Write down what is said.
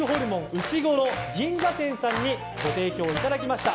うしごろ銀座店さんにご提供いただきました。